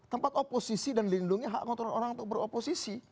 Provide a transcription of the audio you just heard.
tempat oposisi dan lindungi hak kotoran orang untuk beroposisi